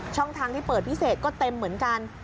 ช่องทางที่เปิดพิเศษก็เต็มเหมือนกัน